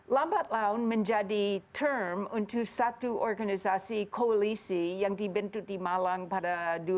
lambat laun menjadi term untuk satu organisasi koalisi yang dibentuk di malang pada dua ribu sembilan belas